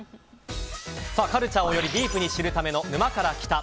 カルチャーをよりディープに知るための「沼から来た。」。